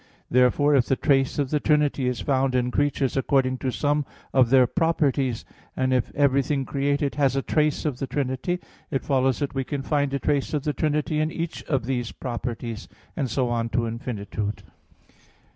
Therefore if the trace of the Trinity is found in creatures according to some of their properties, and if everything created has a trace of the Trinity, it follows that we can find a trace of the Trinity in each of these (properties): and so on to infinitude.